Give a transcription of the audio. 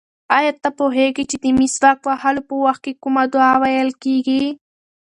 ایا ته پوهېږې چې د مسواک وهلو په وخت کې کومه دعا ویل کېږي؟